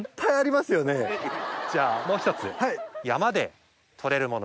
じゃあもう一つ。